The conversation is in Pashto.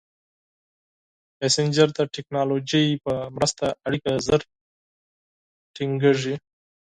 مسېنجر د ټکنالوژۍ په مرسته اړیکه ژر ټینګېږي.